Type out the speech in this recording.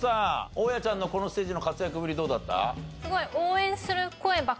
大家ちゃんのこのステージの活躍ぶりどうだった？